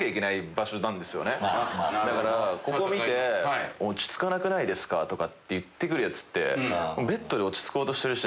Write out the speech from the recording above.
だからここ見て「落ち着かなくないですか」とか言ってくるヤツって。